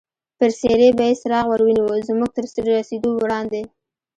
پر څېرې به یې څراغ ور ونیو، زموږ تر رسېدو وړاندې.